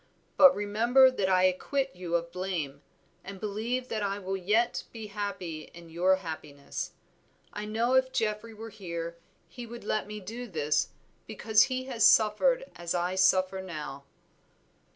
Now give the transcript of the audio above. But remember that I acquit you of blame, and believe that I will yet be happy in your happiness. I know if Geoffrey were here, he would let me do this, because he has suffered as I suffer now."